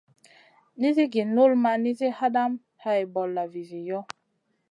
Nizi gi null ma nizi hadamèh hay bolla vizi yoh.